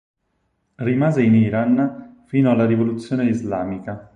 Rimase in Iran fino alla rivoluzione islamica.